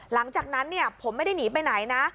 หลังจากนั้นผมไม่ได้หนีไปไหนนะ